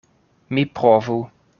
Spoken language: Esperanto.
Mi provu.